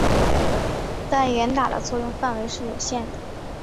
但严打的作用范围是有限的。